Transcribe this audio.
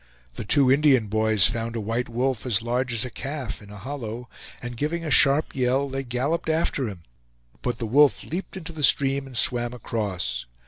The two Indian boys found a white wolf, as large as a calf in a hollow, and giving a sharp yell, they galloped after him; but the wolf leaped into the stream and swam across.